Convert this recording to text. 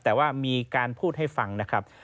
แต่ว่ามีการพูดให้ฟังนะครับ